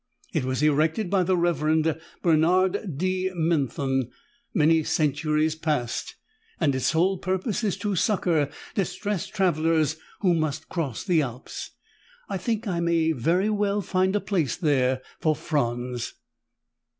It was erected by the revered Bernard de Menthon, many centuries past, and its sole purpose is to succor distressed travelers who must cross the Alps. I think I may very well find a place there for Franz."